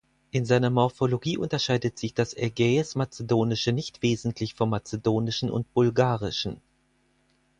In seiner Morphologie unterscheidet sich das Ägäis-Mazedonische nicht wesentlich vom Mazedonischen und Bulgarischen.